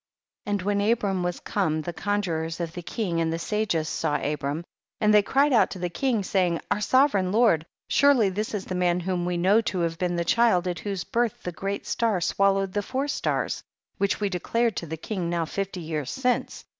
9. And when Abram was come, the conjurors of the king and the sages saw Abram, and they cried out to the king, saying, our sovereign lord, surely this is the man whom we know to have been the child at whose birth the great star swallowed the four stars, wdiich we declared to the king now fifty years since.